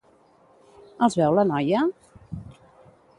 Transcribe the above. Els veu la noia?